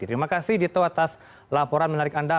terima kasih dito atas laporan menarik anda